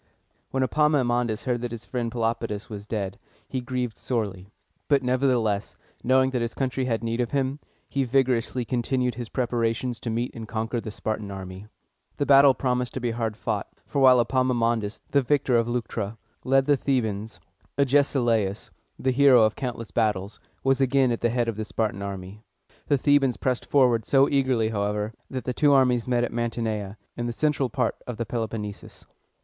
When Epaminondas heard that his friend Pelopidas was dead, he grieved sorely; but nevertheless, knowing that his country had need of him, he vigorously continued his preparations to meet and conquer the Spartan army. The battle promised to be hard fought; for while Epaminondas, the victor of Leuctra, led the Thebans, Agesilaus, the hero of countless battles, was again at the head of the Spartan army. The Thebans pressed forward so eagerly, however, that the two armies met at Man ti ne´a, in the central part of the Peloponnesus.